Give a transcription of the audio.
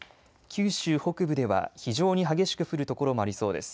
九州北部では非常に激しく降る所もありそうです。